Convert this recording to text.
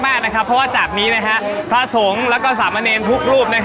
เพราะว่าจากนี้พระสงฆ์แล้วก็สามเณรทุกรูป